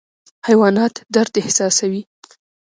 حیوانات درد احساسوي